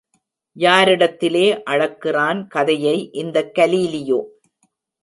யாரிடத்திலே அளக்கிறான் கதையை இந்தக் கலீலியோ!